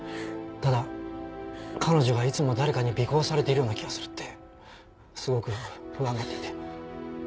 ただ彼女がいつも誰かに尾行されているような気がするってすごく不安がっていて。